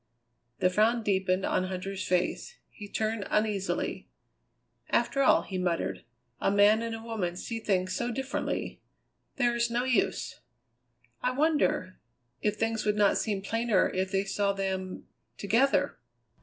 The frown deepened on Huntter's face; he turned uneasily. "After all," he muttered, "a man and woman see things so differently. There is no use!" "I wonder if things would not seem plainer if they saw them together?"